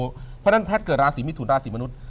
เพราะฉะนั้นแพทย์เกิดราศีมิถุนราศีมนุษย